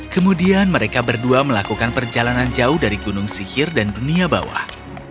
kemudian mereka berdua melakukan perjalanan jauh dari gunung sihir dan dunia bawah